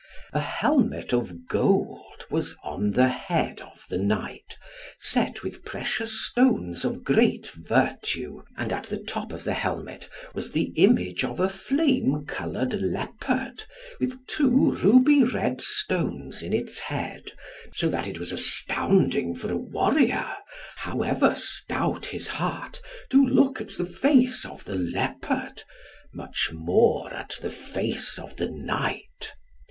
A helmet of gold was on the head of the knight, set with precious stones of great virtue, and at the top of the helmet was the image of a flame coloured leopard with two ruby red stones in its head, so that it was astounding for a warrior, however stout his heart, to look at the face of the leopard, much more at the face of the knight.